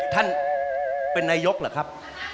ท่านเป็นนายกเหรอครับ